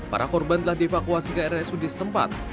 para korban telah dievakuasi ke rsud setempat